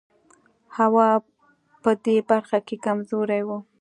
هوا په دې برخه کې کمزوری و.